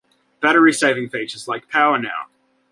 Battery saving features, like PowerNow!